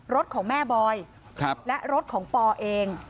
รถของแม่บอยและรถของปอเอง